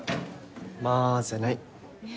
まぜない。